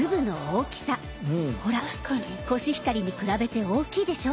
ほらコシヒカリに比べて大きいでしょ？